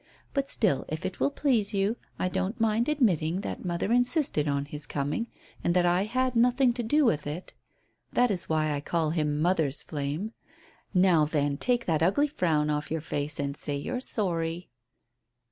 But still, if it will please you, I don't mind admitting that mother insisted on his coming, and that I had nothing to do with it. That is why I call him mother's flame. Now, then, take that ugly frown off your face and say you're sorry."